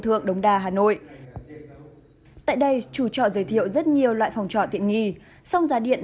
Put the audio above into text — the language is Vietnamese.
thượng đông đa hà nội tại đây chủ trọ giới thiệu rất nhiều loại phòng trọ tiện nghi song giá điện